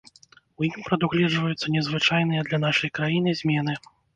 У ім прадугледжваюцца незвычайныя для нашай краіны змены.